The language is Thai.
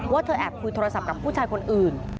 ว่าเธอแอบคุยโทรศัพท์กับผู้ชายคนอื่น